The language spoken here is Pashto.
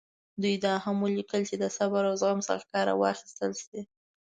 دوی دا هم ولیکل چې د صبر او زغم څخه کار واخیستل شي.